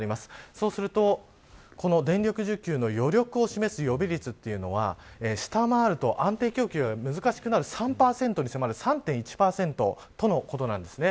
そうすると、電力需給の余力を示す予備率というのは下回ると安定供給が難しくなる３％に迫る３．１％ということです。